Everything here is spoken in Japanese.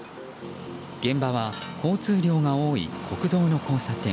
現場は交通量の多い国道の交差点。